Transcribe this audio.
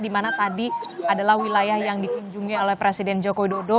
di mana tadi adalah wilayah yang dikunjungi oleh presiden joko widodo